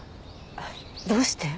どうして？